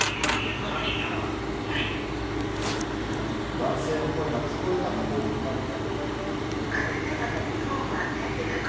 男性の声が聞こえたかと思うと。